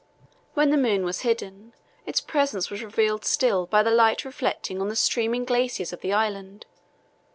When the moon was hidden its presence was revealed still by the light reflected on the streaming glaciers of the island.